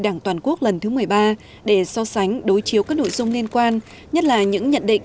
đảng toàn quốc lần thứ một mươi ba để so sánh đối chiếu các nội dung liên quan nhất là những nhận định